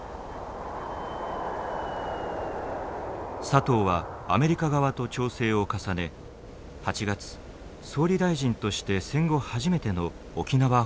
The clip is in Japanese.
佐藤はアメリカ側と調整を重ね８月総理大臣として戦後初めての沖縄訪問を実現させました。